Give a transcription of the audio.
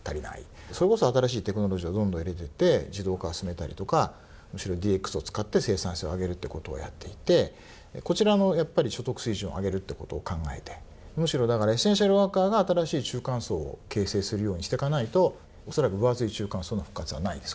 それこそ新しいテクノロジーをどんどん入れてって自動化を進めたりとかむしろＤＸを使って生産性を上げるってことをやっていてこちらの所得水準を上げるってことを考えてむしろエッセンシャルワーカーが新しい中間層を形成するようにしていかないと恐らく分厚い中間層の復活はないです。